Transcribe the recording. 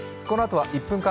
このあとは「１分！